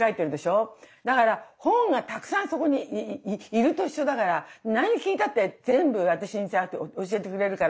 だから本がたくさんそこにいると一緒だから何聞いたって全部私にザーって教えてくれるから。